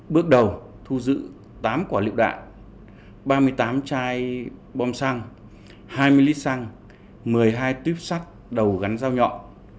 bước đầu thu giữ tám quả lựu đạn ba mươi tám chai bom xăng hai mươi lít xăng một mươi hai tuyếp sắt đầu gắn dao nhọn